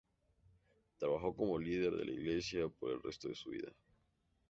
Trabajó como líder de la Iglesia por el resto de su vida.